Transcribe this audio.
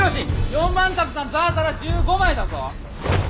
４番卓さんザー皿１５枚だぞ！